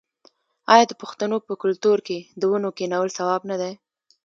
آیا د پښتنو په کلتور کې د ونو کینول ثواب نه دی؟